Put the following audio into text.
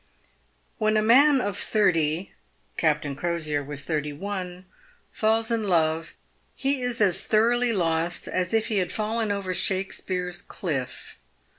Whet* a man of thirty — Captain Crosier was thirty one — falls in love, he is as thoroughly lost as if he had fallen over Shakspeare's cliff.